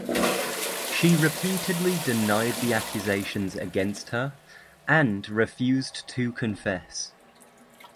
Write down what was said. She repeatedly denied the accusations against her and refused to confess.